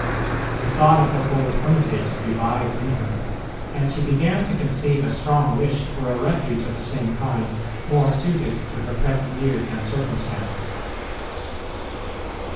The thought of her old hermi tage revived in her, and she began to conceive a strong wish for a refuge of the same kind more suited to her present years and circumstances.